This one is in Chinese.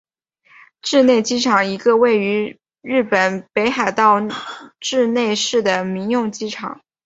稚内机场一个位于日本北海道稚内市的民用机场。